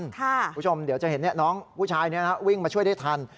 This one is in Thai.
คุณผู้ชมเดี๋ยวจะเห็นน้องผู้ชายนี้วิ่งมาช่วยได้ทัน